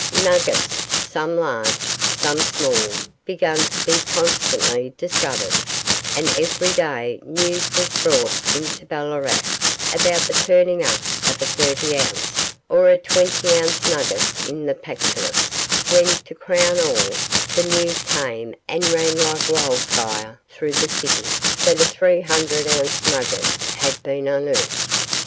Nuggets, some large, some small, began to be constantly discovered, and every day news was brought into Ballarat about the turning up of a thirty ounce or a twenty ounce nugget in the Pactolus, when, to crown all, the news came and ran like wildfire through the city that a three hundred ounce nugget had been unearthed.